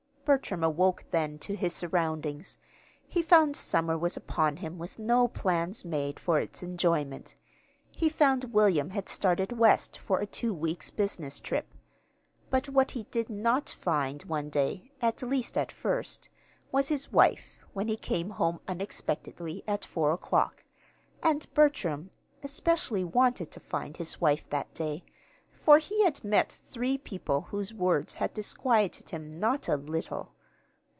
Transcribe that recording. Bertram awoke then to his surroundings. He found summer was upon him with no plans made for its enjoyment. He found William had started West for a two weeks' business trip. But what he did not find one day at least at first was his wife, when he came home unexpectedly at four o'clock. And Bertram especially wanted to find his wife that day, for he had met three people whose words had disquieted him not a little.